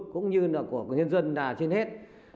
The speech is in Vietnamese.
cũng như là của nhân dân trên hết